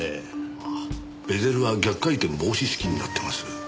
ああベゼルは逆回転防止式になってます。